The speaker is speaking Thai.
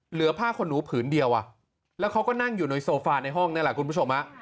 เหลือผ้าขนหนูผืนเดียวอ่ะแล้วเขาก็นั่งอยู่ในโซฟาในห้องนี่แหละคุณผู้ชมฮะ